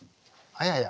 あやや。